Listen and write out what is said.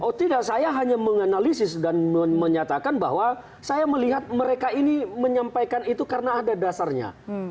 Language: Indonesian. oh tidak saya hanya menganalisis dan menyatakan bahwa saya melihat mereka ini menyampaikan itu karena ada dasarnya